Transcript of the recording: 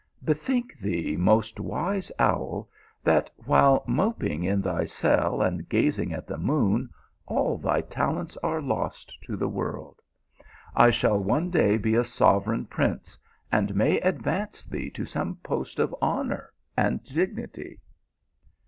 " Bethink thee, most wise owl, that while moping in thy cell and gazing at the moon all thy talents are lost to the world. I shall one day be a sovereign prince, and may advance thee to some post of hon our and dignity."